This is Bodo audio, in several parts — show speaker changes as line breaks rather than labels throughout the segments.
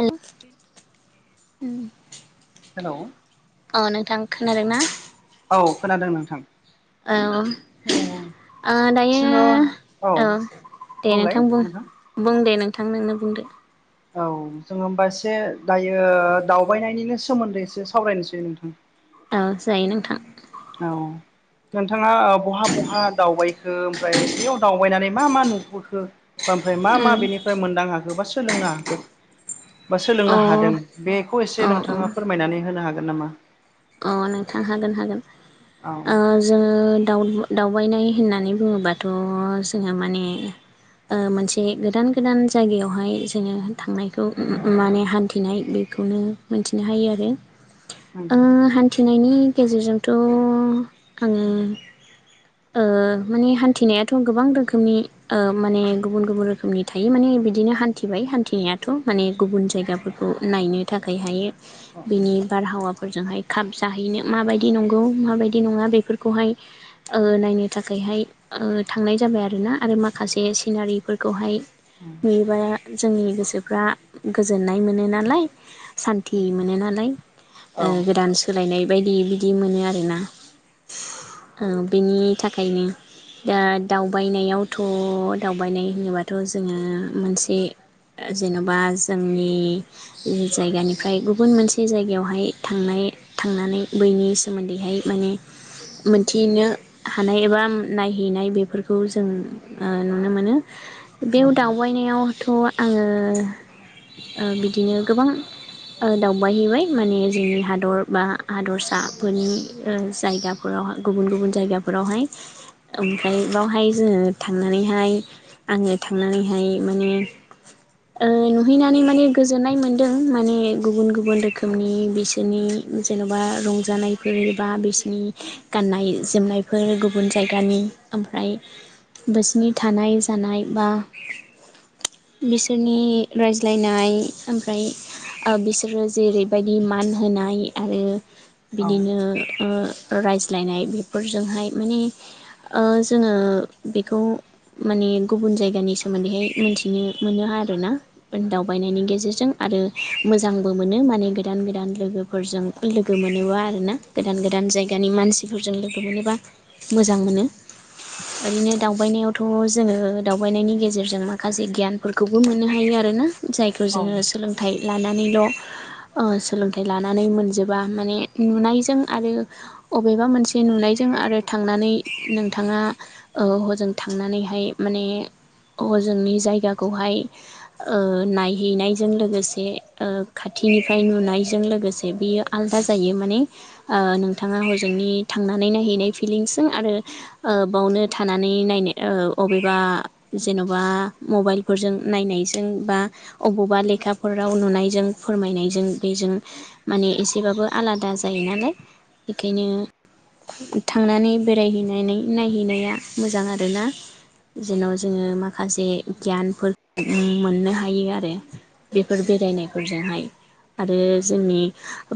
हेल
हेलौ
औ नोंथां खोनादों ना?
औ खोनादों नोंथां।
औ
औ
ओ दायो
जोङो
औ दे नोंथां बुं बुं दे नोंथां नोंनो बुंदो
औ जोङो होमबा एसे दायो दावबायनायनिनो सोमोन्दै एसे सावरायनोसै नोंथां।
औ जायो नोंथां
औ नोंथाङा बहा बहा दावबायखो ओमफ्राय बेयाव दावबायनानै मा मा नुबोखो ओमफ्राय मा मा
उम
बेनिफ्राय मोनदां हाखो बा सोलोंनो हाखो बा
अ
सोलोंनो हादों बेखौ एसे
अ
नोंथाङा फोरमायनानै होनो हागोन नामा?
अ नोंथां हागोन हागोन
औ
ओ जोङो दावबायनाय होननानै बुङोबाथ' जोङो माने ओ मोनसे गोदान गोदान जायगायावहाय जोङो थांनायखौ माने हानथिनाय बे बेखौनो मोनथिनो हायो आरो
औ
नायनि गेजेरजोंथ' आङो ओ माने हानथिनायाथ' गोबां रोखोमनि ओ माने गुबुन गुबुन रोखोमनि थायो माने बिदिनो हानथिबाय हानथिनायाथ' माने गुबुन जायगाफोरखौ नायनो थाखायहायो
औ
बिनि बारहावाफोरजोंहाय खाब जाहैनो माबायदि नंगौ माबायदि नङा बेफोरखौहाय ओ नायनो थाखायहाय ओ थांनाय जाबाय आरो ना आरो माखासे सिनारिफोरखौहाय नुयोबा जोंनि गोसोफ्रा गोजोननाय मोनो नालाय सानथि मोनो नालाय
औ
ओ गोदान सोलायनाय बायदि बिदि मोनो आरोना
[inaudible]
औ बेनि थाखायनो दा दावबायनायावथ' दावबायनाय होनोबाथ' जोङो मोनसे ओ जेन'बा जोंनि जायगानिफ्राय गुबुन मोनसे जायगायावहाय थांनाय थांनानै बैनि सोमोनदैहाय माने मोनथिनो हानाय एबा नायहैनाय बेफोरखौ जों ओ नुनो मोनो बेयाव दावबायनायावथ' आङो ओ बिदिनो गोबां दावबायहैबाय माने जोंनि हादर बा हादरसाफोरनि ओ जायगाफोरावाय गुबुन गुबुन जायगाफोरावहाय ओमफ्राय बेावहाय जोङो थांनानैहाय आङो थांनानैहाय माने ओ नुहैनानै माने गोजोननाय मोनदों माने गुबुन गुबुन रोखोमनि बिसोरनि जेन'बा रंजानायफोर बा बिसोरनि गाननाय जोमनायफोर गुबुन जायगानि ओमफ्राय बिसिनि थानाय जानाय बा बिसोरनि रायज्लायनाय ओमफ्राय आ बिसोरो जेरैबायदि मान होनाय आरो
औ
बिदिनो रायज्लायनाय बेफोरजोंहाय माने ओ जोङो बेखौ माने गुबुन जायगानि सोमोनदैहाय मिथिनो मोनो आरोना दावबायनायनि गेजेरजों आरो मोजांबो मोनो माने गोदान गोदान लोगोफोरजों लोगो मोनोबा आरो ना गोदान गोदान जायगानि मानसिफोरजों लोगो मोनोबा मोजां मोनो ओरैनो दावबायनायावथ' जोङो दावबायनायनि गेजेरजों माखासे गियानफोरखौबो मोननो हायो आरोना जायखौ
औ
जोङो सोलोंथाइ लानानैल' ओ सोलोंथाइ लानानै मोनजोब बा माने नुनायजों आरो अबेबा मोनसे नुनायजों आरो थांनानै नोंथां ना हजों थांनानैहाय माने हजोंनि जायगाखौहाय नायहैनायजों लोगोसे खाथि निफ्राय नुनायजों लोगोसे बियो आलादा जायो माने ओ नोंथाङा हजोंनि थांनानै नायहैनाय फिलिंसजों आरो ओ बावनो थानानै नायनो ओ अबेबा जेन'बा मबाइलफोरजों नायनायजों जों बा अबावबा लेखाफोराव नुनायजों फोरमायनायजों बेजों माने एसे बाबो आलादा जायो नालाय बेखायनो थांनानै बेरायहैनानै नायहैनाया मोजां आरोना जेराव जोङो माखासे गियानफोर मोननो हायो आरो बेफोर बेरायनायफोरजोंहाय आरो जोंनि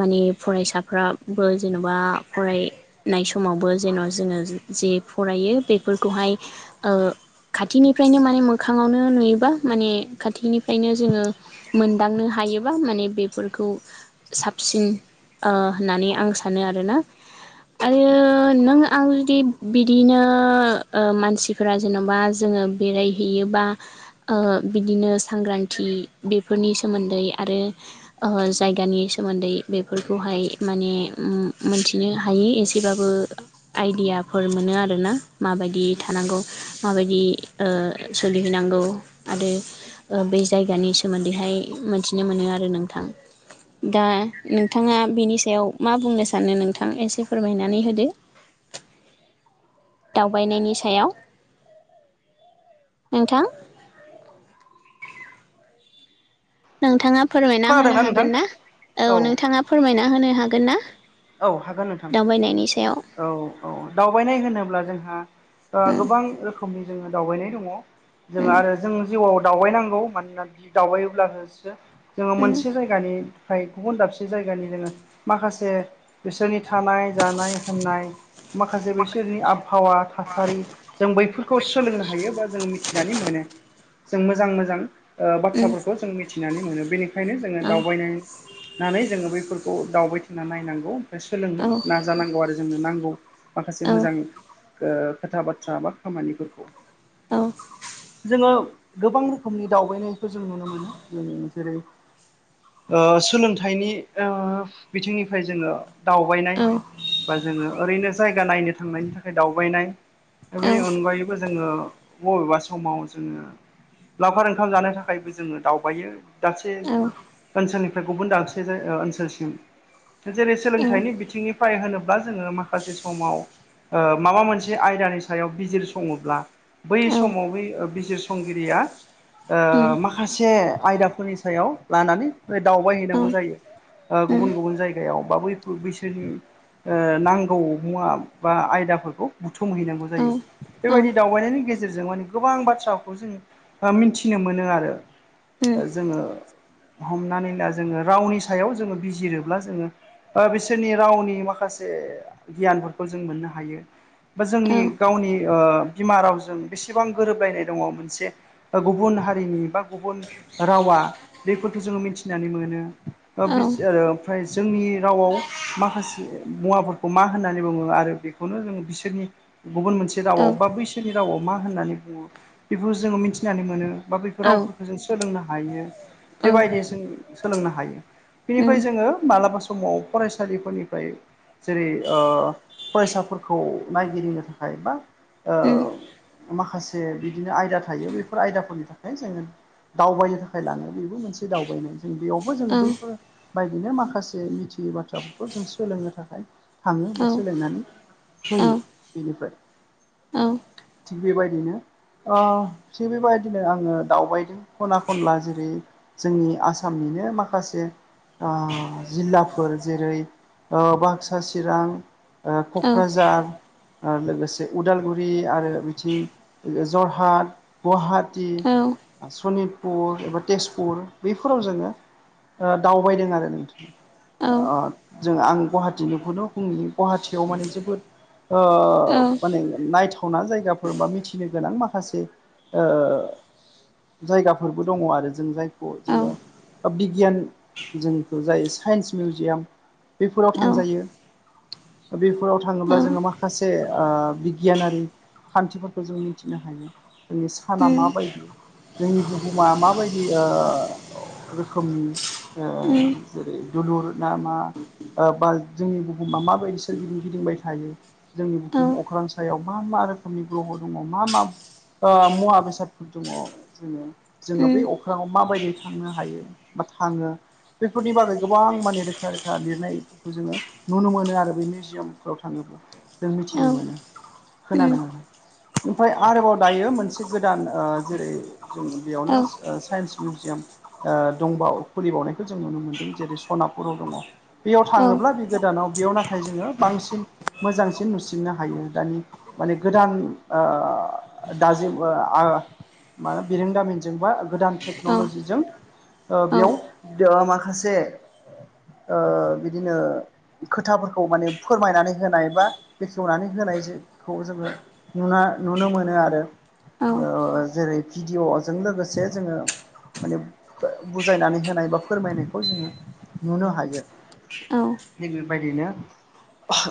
मानि फरायसाफ्राबो जेन'बा फरायनाय समावबो जेन' जोङो जे फरायो बेफोरखौहाय ओ खाथिनिफ्रायनो माने मोखाङावनो नुयोबा माने ने खाथिफ्रायनो जोङो मोनदांनो हायोबा माने बेफोरखौ थाब साबसिन ओ होननानै आं सानो आरोना आरो नों आं जुदि बिदिनो ओ मानसिफोरा जेन'बा जों जोङो बेरायहैयोबा ओ बिदिनो सांग्रांथि बेफोरनि सोमोन्दै आरो नो ओ जायगानि सोमोनदै सोमोन्दै बेफोरखौहाय माने मोनथिनो हायो एसेबाबो आइडिया ना फोर मोनो आरोना माबायदि थानांगौ माबायदि ओ सोलिहैनांगौ आरो बे जायगानि सोमोन्दैहाय मोनथिनो मोनो आरो नोंथां
[inaudible]
दा नोंथाङा बिनि सायाव मा बुंनो सानो नोंथां एसे फोरमायनानै होदो
[inaudible]
दावबायनायनि सायाव नोंथां नोंथाङा फोरमायना होनो
खोनादोंना नोंथां
हागोन ना औ नोंथाङा फोरमायना होनो हागोन ना
औ हागोन नोंथां
दावबायनायनि सायाव
औ औ दावबायनाय होनोब्ला जोंहा ओ
उम
गोबां रोखोमनि दावबायनाय दङ जोङो
उम
आरो जों जिउआव दावबायनांगौ मानोना बि दावबायोब्लासो जोङो
उम
मोनसे जायगानि फ्राय गुबुन दाबसे जायगानि जोङो माखासे बिसोरनि थानाय जानाय होननाय माखासे बिसोरनि आबहावा थासारि जों बैफोरखौ सोलोंनो हायो बा जों मिथिनानै मोनो जों मोजां मोजां ओ
उम
बाथ्राफोरखौ जों मिथिनानै मोनो बेनिखायनो जोङो
औ
दावबायनाय होननानै जोङो बेफोरखौ दावबायथिंना नायनां गौ बा
औ
सोलोङो नाजानांगौ आरो जोंनो नांगौ माखासे
औ
मोजां ओ खोथा बाथ्रा बा खामानिफोरखौ
औ
जोङो गोबां रोखोमनि दावबायनायखौ जों नुनो मोनो जों जेरै ओ सोलोंथाइनि ओ बिथिंनिफ्राय जोङो
औ
दावबायनाय बा जोङो ओरैनो जायगा नायनो थांनायनि थाखाय दावबायनाय दा बेनि अनगायैबो जोङो बबेबा समाव जोङो लावखार ओंखाम जानो थाखायबो जोङो दावबायो दाबसे
औ
ओनसोलनिफ्राय गुबुन दाबसे जायगा ओनसोलसिम जेरै सोलोंथाइनि बिथिंनिफ्राय होनोब्ला जोङो माखासे समाव ओ माबा मोनसे आयदानि सायाव बिजिर सङोब्ला बै
औ
समाव बै बिजिरसंगिरिया ओ
उम
माखासे आयदाफोरनि सायाव लानानै दावबाय
औ
हैनांगौ
उम
जायो ओ गुबुन गुबुन जायगायाव बै फु बिसोरनि ओ नांगौ मुवा बा आयदाफोरखौ संहैनांगौ
औ
जायो
औ
बेबायदि दावबायनायनि गे गेजेरजों मान गोबां बाथ्राखौ जों ओ मिथिनो मोनो आरो
उम
जोङो हमनानै ला जोङो रावनि सायाव जोङो बिजिरोब्ला जोङो बा बिसोरनि रावनि माखासे गियानफोरखौ जों मोननो हायो बा
औ
जोंनि गावनि ओ बिमा रावजों बेसेबां गोरोबलायनाय दङ मोनसे गुबुन हारिनि बा गुबुन रावा आ बेफोरखौ जो मिथिनानै मोनो ओ
औ
बिस ओ ओमफ्राय जोंनि रावआव माखासे मुवाफोरखौ मा होननानै बुङो आरो बेखौनो जों बिसोरनि गुबुन मोनसे रावाव बा बैसोनि रावाव मा होननानै बुङो बेफोखौ जोङो मिथिनानै मोनो। बा बैफोराव
उम उम
जों सोलोंनो हायो
औ
बेबायदि जों सोलोंनो हायो। बिनिफाय जोङो मालाबा समाव फरायसालि फोरनिफाय जेरै ओ फरायसाफोरखौ नायगिरिंनो थाखाय बा ओ माखासे बिदिनो आयदा थायो बैफोर आयदाफोरनि थाखाय जोङो दावबायनो थाखाय लाङो बेबो मोनसे दावबायनाय। जों बेयावबो जोङो बैफोरबायदिनो माखासे मिथियै बाथ्राफोरखौ जों सोलोंनो थाखाय थाङो बा सोलोंनानै
औ
होयो बेनिफ्राय।
औ
थिग बेबायदिनो अ थिग बेबायदिनो आङो दावबायदों खना खनला जेरै जोंनि आसामनि नो माखासे आ जिल्लाफोर जेरै ओ बाक्सा चिरां ओ
औ
क'क्राझार ओ लोगोसे उदालगुरि आरो बिथिं जरहाट गहा टि आ सनित पुर एबा तेजपुर बैफोराव जोङो ओ दावबायदों आरो नोंथां। अ जों आं गहाटिनिखौनो बुनि गहाटियाव माने जोबोद
औ
ओ माने नायथाव ना जायगाफोर बा मिथिनो गोनां माखासे ओ जायगाफोरबो दङ आरो जों जाय खौ
औ
जोङो बिगियान जोंखौ जाय साइन्स मिउजियाम बेफोराव
औ
थांजायो। बेफोराव थाङोब्ला जोङो माखासे ओ बिगियानारि खान्थिफोरखौ जों मिथिनो हायो जोंनि साना माबायदि जोंनि बुहुमा माबायदि ओ रोखोमनि ओ जेरै दलुर ना मा ओ बा जोंनि बुहुमा माबायदि सोरगिदिं गिदिंबाय थायो जोंनि बुहुम अख्रां सायाव मा मा मा रोखोमनि ग्रह' दङ मा मा ओ मुवा बेसादफोर दङ जोङो जोङो बै अख्रांवाव माबायदि थांनो हायो बा थाङो बेफोरनि बारै गोबां माने रोखा रोखा लिरनायफोरखौ जोङो नुनो मोनो आरो बे मिउजियामफोराव थाङोबा। जों मिथिनो मोनो। खोनानो मोनो ओमफ्राय आरोबाव दायो मोनसे गोदान ओ जेरै जों बेयावनो ओ साइन्स मिउजियाम दंबाव खुलिबावनायखौ जों नुनो मोन नो जेरै सनापुराव दङ बेयाव थाङोब्ला बे गोदानाव बेयाव नाथाय जोङो बांसिन मोजां सिन नुसिननो हायो दानि माने गोदान ओ दाजेम ओ आ मा बिरोंदामिनजों बा गोदान टेक्नलजिजों ओ बेयाव दो माखास जे ओ बिदिनो खोथाफोरखौ माने फोरमायनानै होनाय बा बेखेवनानै होनाजोखौ जोङो नुना नुनो मोनो आरो ओ जेरै भिडिअ'जों लोगोसे जोङो माने बुजायनानै होनाय बा फोरमायनाय खौ जोङो नुनो हायो थिग बेबायदिनो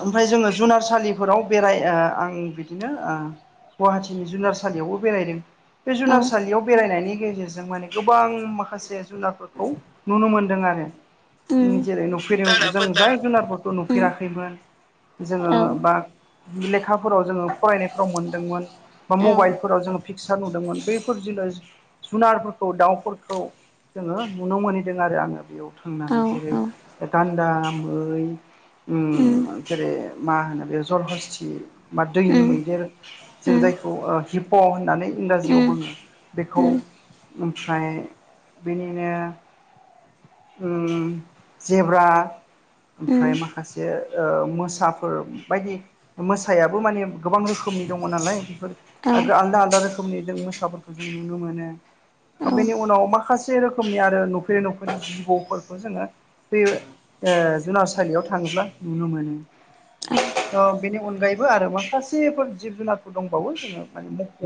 ओमफाय जोङो जुनारसालिफोराव बेराय ओ आं बिदिनो ओ गहाटिनि जुनारसालियावबो बेरायदों। बे जुनारसालियाव बेरायनायनि गेजेरजों माने गोबां माखासे जुनारफोरखौ नुनो मोन नदों आरो जेरै नुफेरै जों जाय जुनारफोरखौ
उम उम औ
नुफेराखैमोन जोङो
उम औ उम औ
बा लेखाफोराव जोङो फरायनायफोराव मोनदोंमोन बा
औ
मबाइलफोराव जोङो पिकसार नुदोंमोन बैफोर [unintelligible] जुनारफोरखौ दाउफोरखौ जोङो नुनो मोनहैदों आरो आङो बेयाव
औ
थांनानै
औ औ
जेरै
औ
गान्दा मै उम जेरै मा होनो बे जरहस्थि बा
उम
दैनि
औ
मैदेर
औ
जों
औ उम
जायखौ हिप' होननानै इंराजियाव बुङो
उम उम
बेखौ
उम
ओमफ्राय बिनिनो उम जेब्रा
उम उम
ओमफ्राय
औ
माखासे ओ मोसाफोर बायदि मोसायाबो माने गोबां रोखोमनि दङ नालाय बेफोर आरो आलदा आलदा रोखोमनि जों मोसाफोरखौ जों नुनो मोनो बेनि उनाव माखासे रोखोमनि आरो नुफेरि नुफेरि जिब फोरखौ जोङो बे जुनारसालियाव थाङोब्ला नुनो मोनो। औ बेनि अनगायैबो आरो माखासेफोर जिब जुनारफोर दंबावो जोङो माने मख'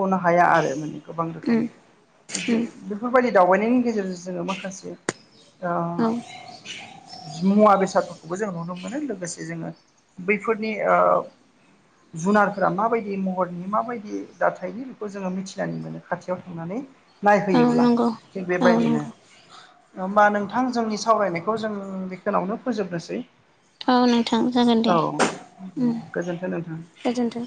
खनो हाया आरो माने गोबां
उम
रोखोमनि बिदि
उम
बेफोरबायदि दावबायनायनि गेजेरजों जोङो माखासे दा
औ
मुवा बेसादफोरखौबो जों नुनो मोनो लोगोसे जोङो बैफोरनि ओ जुनारफोरा माबायदि महरनि माबायदि दाथायनि बेखौ जोङो मिथिनानै मोनो खाथियाव थांनानै
औ
नायहैयोब्ला
नंगौ
थिग
औ
बेबायदिनो
नंगौ
होमबा नोंथां जोंनि सावरायनायखौ जों बेखिनावनो फोजोबनोसै
औ नोंथां जागोन दे
औ
उम
गोजोनथों नोंथां
गोजोन्थों